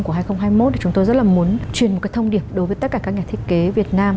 chúng tôi rất là muốn truyền một cái thông điệp đối với tất cả các nhà thiết kế việt nam